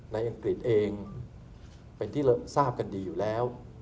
อังกฤษเองเป็นที่ทราบกันดีอยู่แล้ว